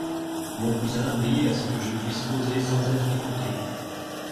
Mon cousin, veillez à ce que je puisse causer sans être écoutée.